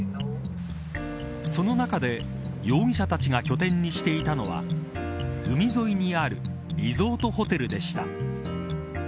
その中で容疑者達が拠点にしていたのは海沿いにあるリゾートホテルでした。